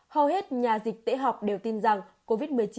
hầu hết nhà dịch tễ học đều tin rằng covid một mươi chín